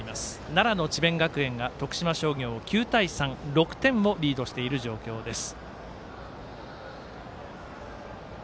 奈良の智弁学園が徳島商業を９対３６点をリードしている状況です。